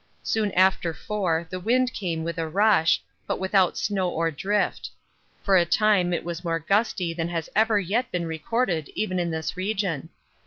Soon after 4 the wind came with a rush, but without snow or drift. For a time it was more gusty than has ever yet been recorded even in this region.